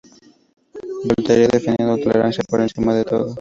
Voltaire defendió la tolerancia por encima de todo.